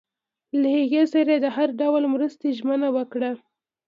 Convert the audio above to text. له هغوی سره یې د هر ډول مرستې ژمنه وکړه.